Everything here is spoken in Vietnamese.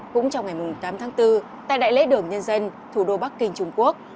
cũng trong ngày tám tháng bốn tại đại lễ đường nhân dân thủ đô bắc kinh trung quốc